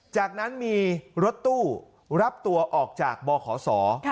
จากนั้นมีรถตู้รับตัวออกจากบขศ